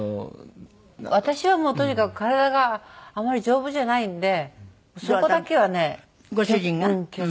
私はもうとにかく体があまり丈夫じゃないんでそこだけはね気を付けてもらって。